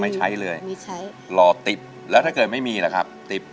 ไม่ใช้เลยไม่ใช้รอติ๊บแล้วถ้าเกิดไม่มีล่ะครับติ๊บ